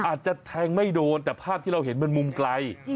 อาจจะแทงไม่โดนแต่ภาพที่เราเห็นมันมุมไกล